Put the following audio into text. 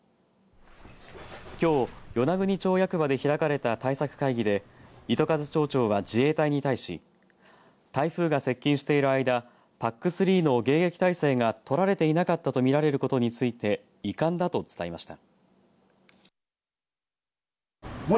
きょう与那国町役場で開かれた対策会議で糸数町長は自衛隊に対し台風が接近している間ＰＡＣ３の迎撃態勢が取られていなかったと見られることについて遺憾だと伝えました。